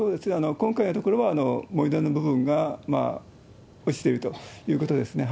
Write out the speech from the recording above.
今回の所は、盛り土の部分が落ちてるということですね。